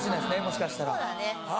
もしかしたら。